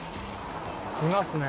いますね。